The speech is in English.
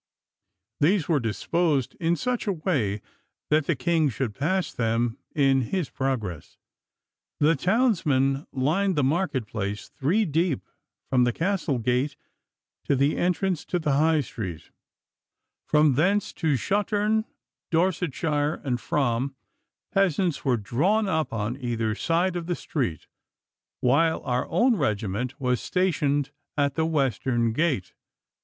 These were disposed in such a way that the King should pass them in his progress. The townsmen lined the market place three deep from the Castle gate to the entrance to the High Street; from thence to Shuttern, Dorsetshire, and Frome peasants were drawn up on either side of the street; while our own regiment was stationed at the western gate.